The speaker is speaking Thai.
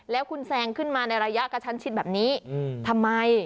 แล้วคุณแซงขึ้นมาในระยะกระชั้นชิดแบบนี้ทำไม